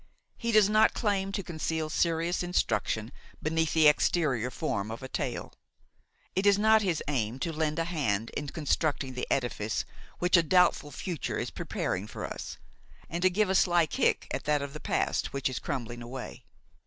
He does not claim to conceal serious instruction beneath the exterior form of a tale; it is not his aim to lend a hand in constructing the edifice which a doubtful future is preparing for us and to give a sly kick at that of the past which is crumbling away.